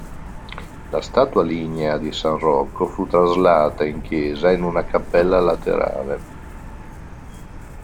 La statua lignea di "San Rocco" fu traslata in chiesa in una cappella laterale.